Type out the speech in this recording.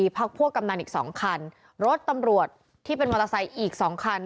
พักพวกกำนันอีกสองคันรถตำรวจที่เป็นมอเตอร์ไซค์อีกสองคัน